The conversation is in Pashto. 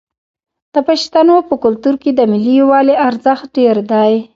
د پښتنو په کلتور کې د ملي یووالي ارزښت ډیر دی.